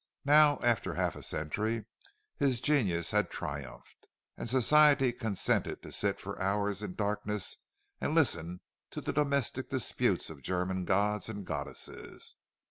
Now, after half a century, his genius had triumphed, and Society consented to sit for hours in darkness and listen to the domestic disputes of German gods and goddesses.